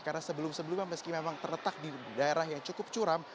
karena sebelum sebelumnya meski memang terletak di daerah yang cukup curam